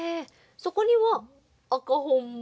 そこには赤本も？